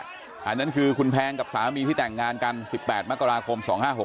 อันนั้นคือคุณแพงกับสามีที่แต่งงานกัน๑๘มกราคม๒๕๖๖